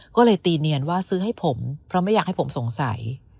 ก็เลยตีเนียนว่าซื้อให้ผมเพราะไม่อยากให้ผมสงสัย